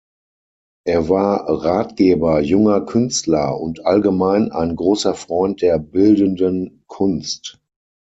Er war Ratgeber junger Künstler und allgemein ein großer Freund der bildenden Kunst.